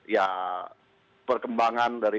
ya perkembangan dari